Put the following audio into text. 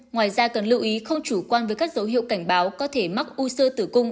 ngoài ra cần lưu ý không chủ quan với các dấu hiệu cảnh báo có thể mắc u sơ tử cung